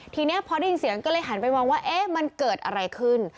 ทีนี้พอได้ยินเสียงก็เลยหันไปมองว่ามันเกิดอะไรขึ้น